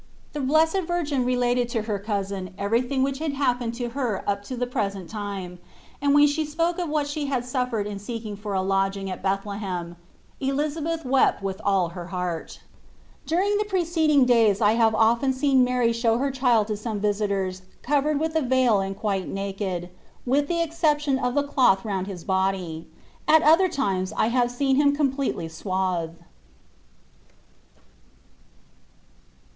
The Blessed Virgin related to her cousin every thing which had happened to her up to the present time, and when she spoke of what she had suffered in seeking for a lodging at Bethlehem Elizabeth wept with all her heart. During the preceding days I have often seen Mary show her child to some visitors covered with a veil and quite naked, with the exception of the cloth round His body. At other times I have seen Him com pletely swathed.